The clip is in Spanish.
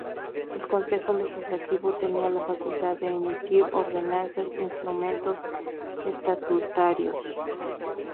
El Consejo Legislativo tenía la facultad de emitir ordenanzas, instrumentos estatutarios.